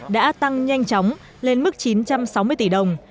đã tăng nhanh chóng lên mức chín trăm sáu mươi tỷ đồng